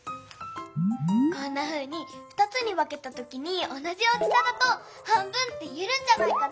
こんなふうに２つにわけたときにおなじ大きさだと半分っていえるんじゃないかな。